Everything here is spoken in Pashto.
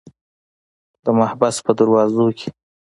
د محبس په دروازو کې.